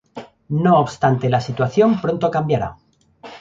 No obstante la situación pronto cambiaría.